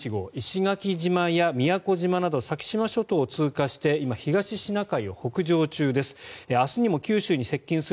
大型で非常に強い台風１１号石垣島や宮古島など先島諸島を通過して今、東シナ海を北上中です。